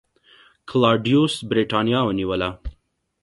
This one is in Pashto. کلاډیوس برېټانیا ونیوله